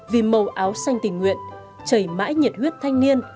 vì màu áo xanh tình nguyện chảy mãi nhiệt huyết thanh niên